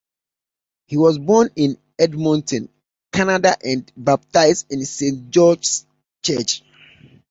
He was born in Edmonton, Canada and baptized in Saint George's church.